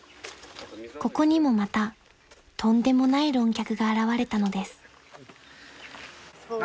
［ここにもまたとんでもない論客が現れたのです］